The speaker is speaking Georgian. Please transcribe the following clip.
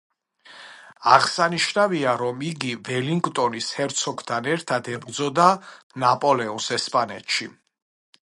აღსანიშნავია, რომ იგი ველინგტონის ჰერცოგთან ერთად ებრძოდა ნაპოლეონს ესპანეთში.